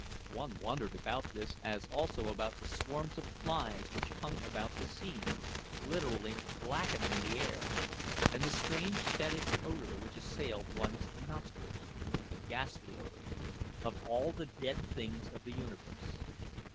One wondered about this, as also about the swarms of flies which hung about the scene, literally blackening the air, and the strange, fetid odor which assailed one's nostrils, a ghastly odor, of all the dead things of the universe.